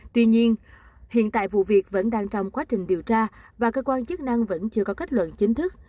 tuy nhiên hiện tại vụ việc vẫn đang trong quá trình điều tra và cơ quan chức năng vẫn chưa có kết luận chính thức